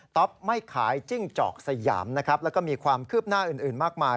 ๊อปไม่ขายจิ้งจอกสยามนะครับแล้วก็มีความคืบหน้าอื่นมากมาย